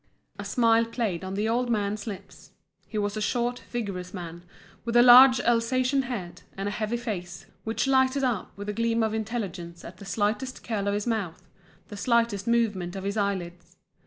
A smile played on the old man's lips. He was a short, vigorous man, with a large Alsatian head, and a heavy face, which lighted up with a gleam of intelligence at the slightest curl of his mouth, the slightest movement of his eyelids.